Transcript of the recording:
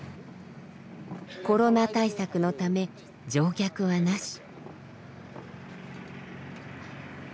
コロナ対策のため乗客はなし。